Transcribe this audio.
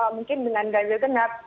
mungkin dengan ganjil gengar